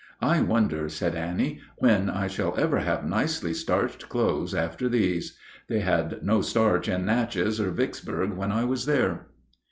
"I wonder," said Annie, "when I shall ever have nicely starched clothes after these? They had no starch in Natchez or Vicksburg when I was there."